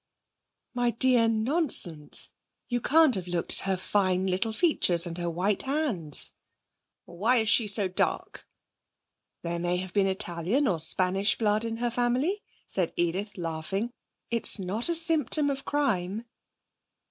'My dear! Nonsense. You can't have looked at her fine little features and her white hands.' 'Why is she so dark?' 'There may have been Italian or Spanish blood in her family,' said Edith, laughing. 'It's not a symptom of crime.'